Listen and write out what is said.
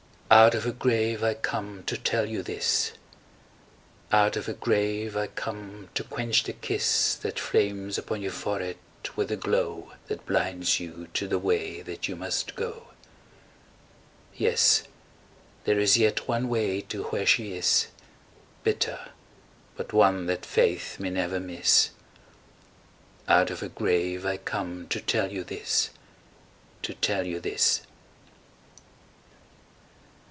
Out of a grave I come to tell you this, Out of a grave I come to quench the kiss That flames upon your forehead with a glow That blinds you to the way that you must go. Yes, there is yet one way to where she is, Bitter, but one that faith can never miss. Out of a grave I come to tell you this To tell you this.